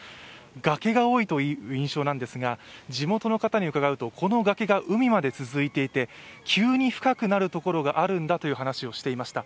崖が多いという印象なんですが地元の方に伺うとこの崖が海まで続いていて急に深くなる所があるんだという話をしていました。